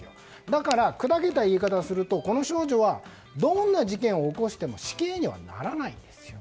だから、くだけた言い方をするとこの少女はどんな事件を起こしても死刑にはならないんですよ。